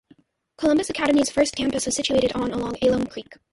Columbus Academy's first campus was situated on along Alum Creek.